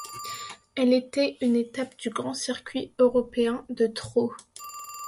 Elle était une étape du Grand Circuit européen de trot.